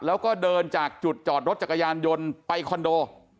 แล้วก็เดินจากจุดจอดรถจักรยานยนต์ไปคอนโด